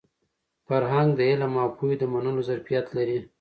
فرهنګ د علم او پوهې د منلو ظرفیت لري.